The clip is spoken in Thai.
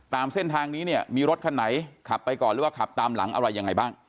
ตามเส้นทางนี้เนี่ยมีรถคันไหนขับไปก่อนหรือว่าขับตามหลังอะไรยังไงบ้าง